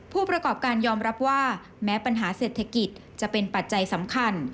ผู้ประกอบการยอมรับว่าแม้ปัญหาเศรษฐกิจจะเป็นปัจจัยสำคัญ